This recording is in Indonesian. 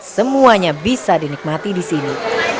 semuanya bisa dinikmati disini